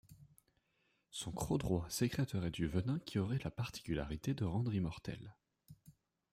Son croc droit sécrèterait du venin qui aurait la particularité de rendre immortel.